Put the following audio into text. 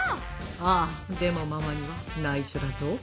「ああでもママには内緒だぞ」。